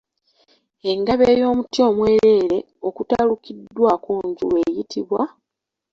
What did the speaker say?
Engabo ey'omuti omwereere okutalukiddwako njulu eyitimbwa?